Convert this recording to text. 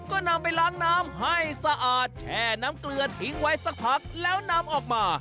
ก็นำไปล้างน้ำให้สะอาดแช่น้ำเกลือทิ้งไว้สักพักแล้วนำออกมา